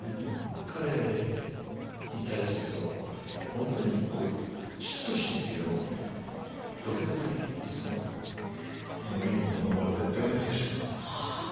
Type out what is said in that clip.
彼に対する本当に嫉妬心というのをどけた時にすごくいいものが生まれていったような気がします。